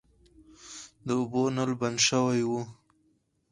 د اوبو نل بند شوی و.